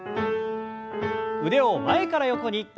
腕を前から横に。